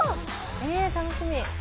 え楽しみ。